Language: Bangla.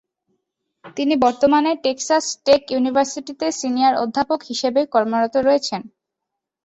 তিনি বর্তমানে টেক্সাস টেক ইউনিভার্সিটিতে সিনিয়র অধ্যাপক হিসেবে কর্মরত রয়েছেন।